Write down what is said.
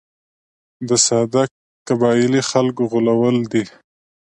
د ساده قبایلي خلکو غولول دي.